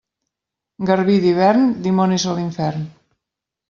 Garbí d'hivern, dimonis a l'infern.